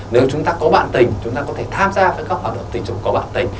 nếu chúng ta có bạn tình chúng ta có thể tham gia với các hoạt động tình dục có bạn tình